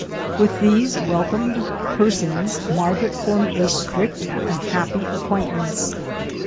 With these welcomed per sons Margaret formed a strict and happy acquaint ance.